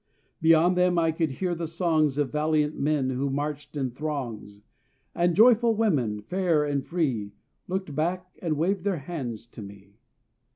Beyond them I could hear the songs Of valiant men who marched in throngs; And joyful women, fair and free, Looked back and waved their hands to me.